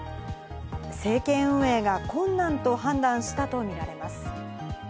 政権運営が困難と判断したとみられます。